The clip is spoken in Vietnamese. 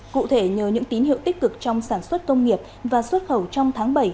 cụ thể nhờ những tín hiệu tích cực trong sản xuất công nghiệp và xuất khẩu trong tháng bảy